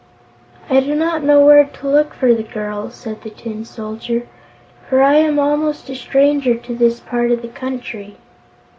"I do not know where to look for the girl," said the Tin Soldier, "for I am almost a stranger to this part of the country."